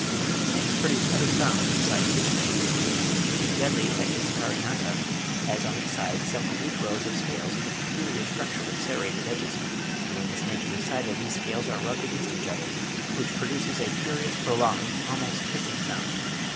Snakes produce other sounds besides hissing. The deadly Echis carinata has on its sides some oblique rows of scales of a peculiar structure with serrated edges; and when this snake is excited these scales are rubbed against each other, which produces "a curious prolonged, almost hissing sound."